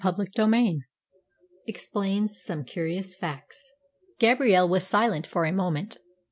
CHAPTER XII EXPLAINS SOME CURIOUS FACTS Gabrielle was silent for a moment.